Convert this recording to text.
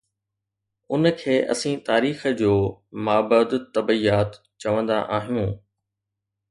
ان کي اسين تاريخ جو مابعد الطبعيات چوندا آهيون.